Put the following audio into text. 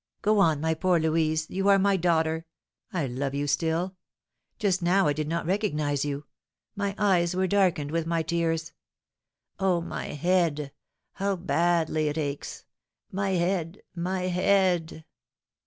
Go on my poor Louise, you are my daughter, I love you still, just now I did not recognise you, my eyes were darkened with my tears, oh, my head, how badly it aches, my head, my head!"